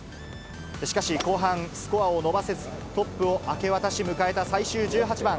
しかし後半、スコアを伸ばせず、トップを明け渡し迎えた最終１８番。